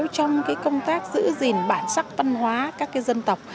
trong công tác giữ gìn bản sắc văn hóa các dân tộc